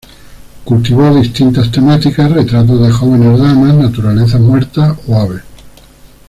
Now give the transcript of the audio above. Cultivó distintas temáticas: retratos de jóvenes damas, naturaleza muerta o aves.